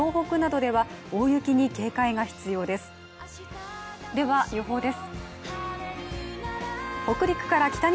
では予報です。